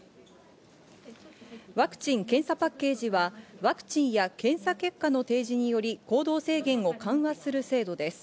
ワクチン・検査パッケージはワクチンや検査結果の提示により、行動制限を緩和する制度です。